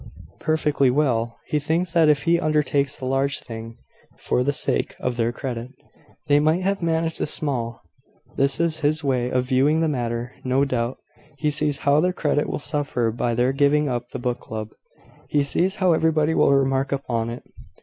"Perfectly well. He thinks that if he undertakes the large thing, for the sake of their credit, they might have managed the small. This is his way of viewing the matter, no doubt. He sees how their credit will suffer by their giving up the book club. He sees how everybody will remark upon it."